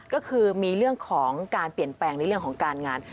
ก็คือมีเรื่องของการเปลี่ยนแปลงในเรื่องของการงาน